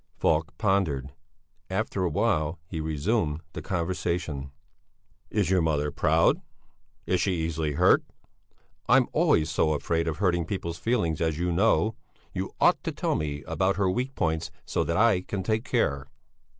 Falk pondered; after a while he resumed the conversation. "Is your mother proud? Is she easily hurt? I'm always so afraid of hurting people's feelings, as you know; you ought to tell me about her weak points, so that I can take care."